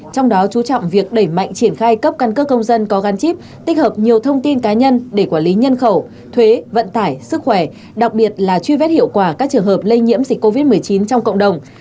trong đó chú trọng việc đẩy mạnh triển khai cấp căn cước công dân có gắn chip tích hợp nhiều thông tin cá nhân để quản lý nhân khẩu thuế vận tải sức khỏe đặc biệt là truy vết hiệu quả các trường hợp lây nhiễm dịch covid một mươi chín trong cộng đồng